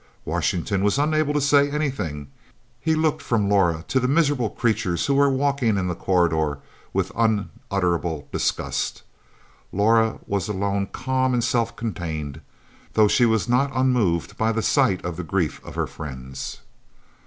Washington was unable to say anything; he looked from Laura to the miserable creatures who were walking in the corridor with unutterable disgust. Laura was alone calm and self contained, though she was not unmoved by the sight of the grief of her friends.